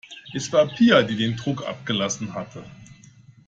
Es war Pia, die den Druck abgelassen hatte.